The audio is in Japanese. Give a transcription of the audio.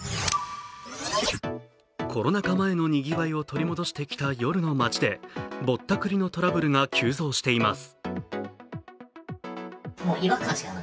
コロナ禍前のにぎわいを取り戻してきた夜の街でぼったくりのトラブルが急増しています。